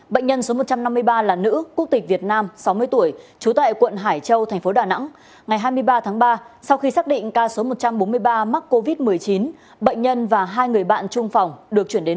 bệnh nhân số một trăm năm mươi ba là nữ quốc tịch việt nam sáu mươi tuổi trú tại quận hải châu tp hcm